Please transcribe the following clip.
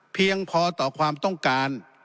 เพียงพอต่อความต้องการ